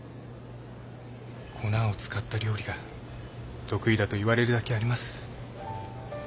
粉を使った料理が得意だと言われるだけあります。